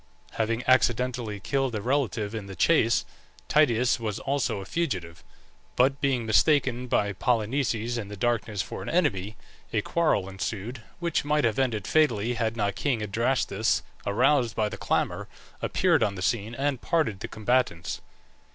Having accidentally killed a relative in the chase, Tydeus was also a fugitive; but being mistaken by Polynices in the darkness for an enemy, a quarrel ensued, which might have ended fatally, had not king Adrastus, aroused by the clamour, appeared on the scene and parted the combatants.